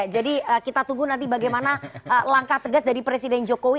jadi kita tunggu nanti bagaimana langkah tegas dari presiden jokowi